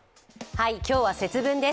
今日は節分です。